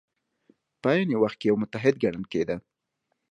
په عین وخت کې یو متحد ګڼل کېده.